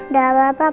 udah apa pak